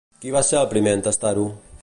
Qui va ser el primer en tastar-ho?